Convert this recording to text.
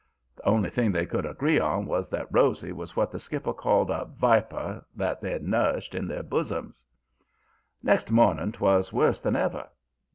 The only thing they could agree on was that Rosy was what the skipper called a 'viper' that they'd nourished in their bosoms. "Next morning 'twas worse than ever.